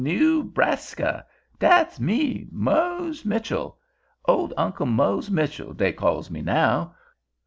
Newbraska. Dat's me—Mose Mitchell. Old Uncle Mose Mitchell, dey calls me now.